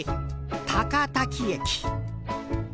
高滝駅。